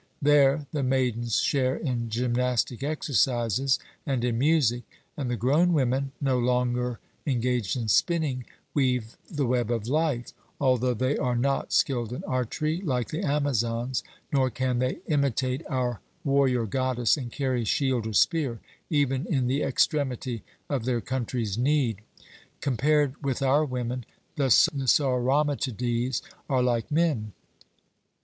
there the maidens share in gymnastic exercises and in music; and the grown women, no longer engaged in spinning, weave the web of life, although they are not skilled in archery, like the Amazons, nor can they imitate our warrior goddess and carry shield or spear, even in the extremity of their country's need. Compared with our women, the Sauromatides are like men.